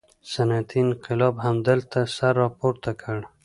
صنعتي انقلاب همدلته سر راپورته کړ.